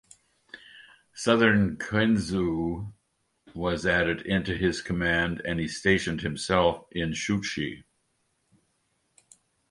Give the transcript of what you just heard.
Southern Qinzhou was added into his command and he stationed himself in Chouchi.